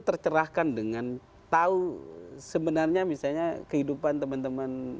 tercerahkan dengan tahu sebenarnya misalnya kehidupan teman teman